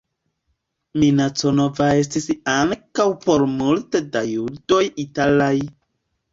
Minaco nova estis ankaŭ por multe da judoj italaj.